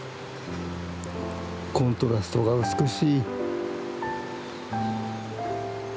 コントラストが美しい。